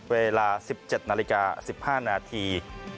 เวลา๑๗นาฬิกา๑๕นาที